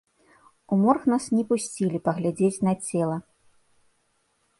У морг нас не пусцілі паглядзець на цела.